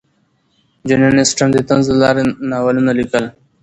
جین اسټن د طنز له لارې ناولونه لیکل.